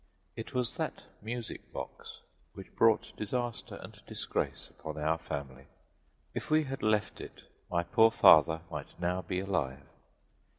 It was that music box which brought disaster and disgrace upon our family. If we had left it my poor father might now be alive.